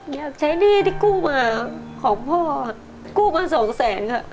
อยากใช้หนี้ที่กู้มาของพ่อกู้มา๒๐๐๐๐๐